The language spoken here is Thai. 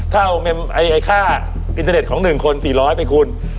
ถ้าเอาไอ้ค่าอินเทอร์เน็ตของหนึ่งคน๔๐๐ไปคูณ